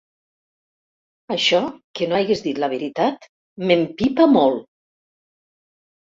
Això, que no hagis dit la veritat, m'empipa molt!